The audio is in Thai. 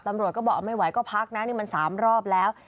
ตำรวจก็บอกเอาไม่ไหวก็พักนะนี่มัน๓รอบแล้ว